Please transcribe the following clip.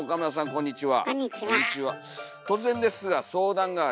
こんにちは。